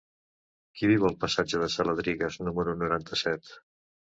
Qui viu al passatge de Saladrigas número noranta-set?